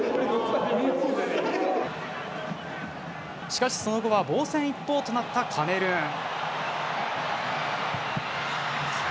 しかし、その後は防戦一方となったカメルーン。